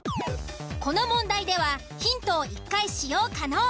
この問題ではヒントを１回使用可能。